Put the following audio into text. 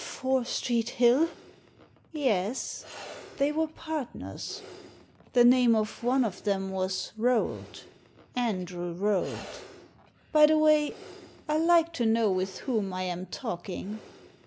"Fore Street Hill?" "Yes — they were partners. The name of one of them was Rolt — Andrew Rolt By the way, I like to know with whom I am talking.